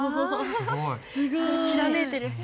すごい！きらめいてる。